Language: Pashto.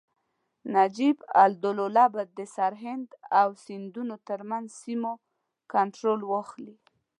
نجیب الدوله به د سرهند او سیندونو ترمنځ سیمو کنټرول واخلي.